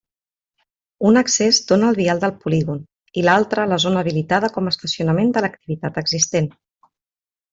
Un accés dóna al vial del polígon i l'altre a la zona habilitada com a estacionament de l'activitat existent.